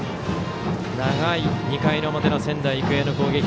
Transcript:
長い２回表の仙台育英の攻撃。